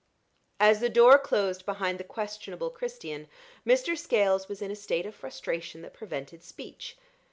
As the door closed behind the questionable Christian, Mr. Scales was in a state of frustration that prevented speech.